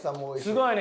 すごいね。